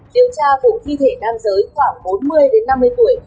đang phối hợp với các đơn vị nghiệp vụ điều tra vụ thi thể nam giới khoảng bốn mươi năm mươi tuổi